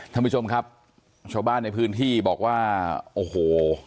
ท่านผู้ชมครับชาวบ้านในพื้นที่บอกว่าโอ้โห